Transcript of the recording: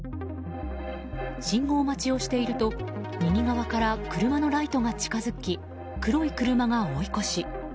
信号待ちをしていると右側から車のライトが近づき黒い車が追い越し。